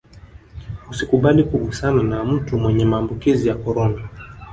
usikubali kugusana na mtu mwenye maambukizi ya korona